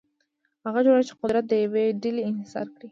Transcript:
هغه جوړښت چې قدرت د یوې ډلې انحصار کړي.